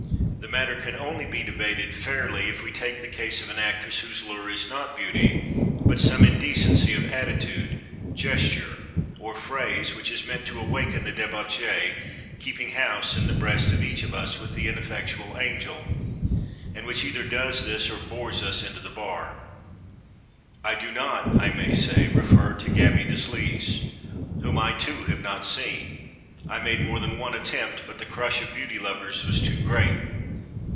This matter can only be debated fairly if we take the case of an actress whose lure is not beauty but some indecency of attitude, gesture or phrase, which is meant to awaken the debauchee keeping house in the breast of each of us with the ineffectual angel, and which either does this or bores us into the bar. (I do not, I may say, refer to Gaby Deslys, whom I, too, have not seen. I made more than one attempt, but the crush of beauty lovers was too great.)